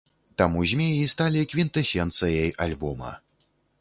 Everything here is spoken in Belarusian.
Таму змеі сталі квінтэсенцыяй альбома.